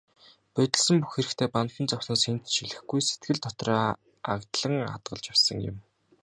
Будилсан бүх хэрэгтээ бантан зовсноос хэнд ч хэлэхгүй, сэтгэл дотроо агдлан хадгалж явсан юм.